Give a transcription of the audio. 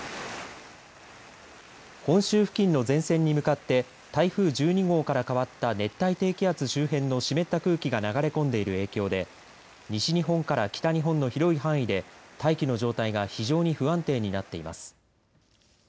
本州付近の前線に向かって台風１２号から変わった熱帯低気圧周辺の湿った空気が流れ込んでいる影響で西日本から北日本の広い範囲で大気の状態が非常に不安定になっています。